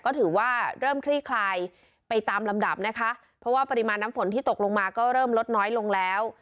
ก็ถือว่าเริ่มคลี่คลายไปตามลำดับนะคะเพราะว่าปริมาณน้ำฝนที่ตกลงมาก็เริ่มลดน้อยลงแล้ว